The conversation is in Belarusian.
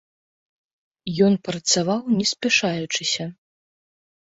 Ён працаваў не спяшаючыся.